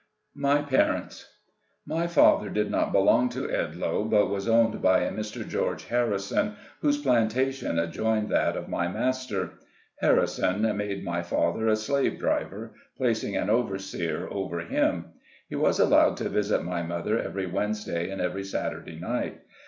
MY PARENTS. My father did not belong to Edloe, but was owned by a Mr. George Harrison, whose plantation adjoined that of my master. Harrison made my 16 SLAVE CABIN TO PULPIT. father a slave driver, placing an overseer over him. He was allowed to visit my mother every Wednes day and every Saturday night.